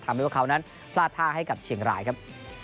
ทำให้ว่าคราวนั้นพลาดท่าให้กับเชียงรายครับ